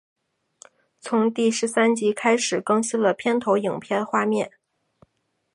从第十三集开始更新了片头影片画面。